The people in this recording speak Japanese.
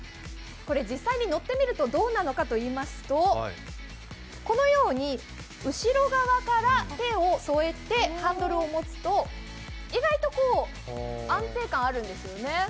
実際に乗ってみるとどうなのかといいますとこのように後ろ側から手を添えてハンドルを持つと、意外と安定感あるんですよね。